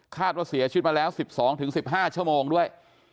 คาดว่าเสียชีวิตมาแล้ว๑๒๑๕ชมด้วย